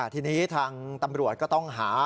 ทีนี้ทางตำรวจก็ต้องหา